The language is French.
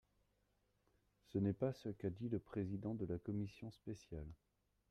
Ce n’est pas ce qu’a dit le président de la commission spéciale.